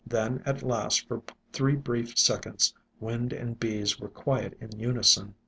Then, at last, for three brief seconds wind and bees were quiet in unison.